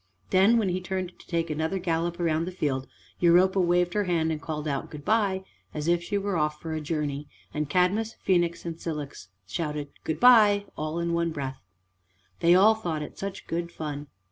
Then when he turned to take another gallop round the field, Europa waved her hand and called out "Good by," as if she was off for a journey, and Cadmus, Phoenix, and Cilix shouted "Good by" all in one breath. They all thought it such good fun.